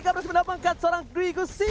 gak berhasil mendapatkan seorang duwigu si